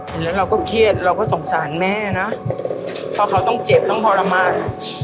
เห็นแล้วเราก็เครียดเราก็สงสารแม่นะเพราะเขาต้องเจ็บต้องทรมาน